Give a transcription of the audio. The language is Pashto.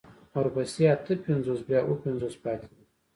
ورپسې اته پنځوس بيا اوه پنځوس پاتې وي.